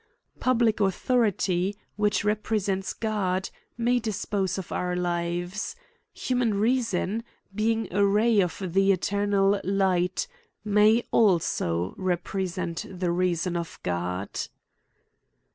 Public au thority, which represents God, may dispose of our lives. Human reason, being a ray of the eternal light, may also represent the reason of God.''